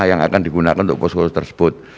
yang akan digunakan untuk posko tersebut